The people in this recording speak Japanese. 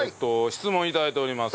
質問を頂いております。